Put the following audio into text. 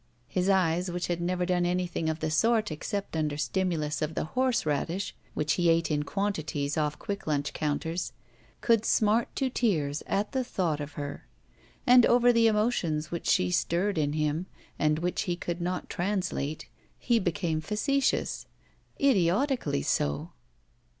His eyes, which had never done anything of the sort except under stimulus of the horseradish which he ate in quantities off quick ltmch counters, could smart to tears at the thought of her. And over the emotions which she stirred in him, and which he could not translate, he became facetious— idiotically so.